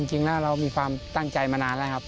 จริงแล้วเรามีความตั้งใจมานานแล้วครับ